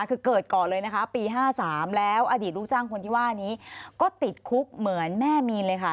คือเกิดก่อนเลยนะคะปี๕๓แล้วอดีตลูกจ้างคนที่ว่านี้ก็ติดคุกเหมือนแม่มีนเลยค่ะ